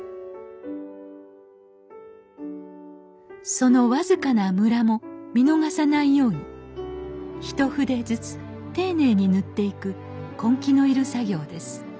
その僅かなむらも見逃さないように一筆ずつ丁寧に塗っていく根気の要る作業です